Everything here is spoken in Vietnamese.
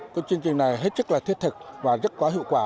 cái chương trình này hết sức là thiết thực và rất có hiệu quả